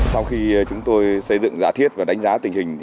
sau khi chúng tôi xây dựng giả thiết và đánh giá tình hình